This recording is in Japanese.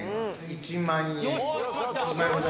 １万円。